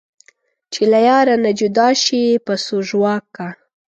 چې له یاره نه جدا شي پسو ژواک کا